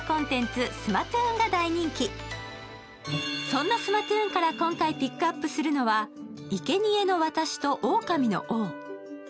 そんなスマトゥーンから今回ピックアップするのは「生贄の私と狼の王」。